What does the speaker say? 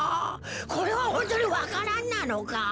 これはホントにわか蘭なのか？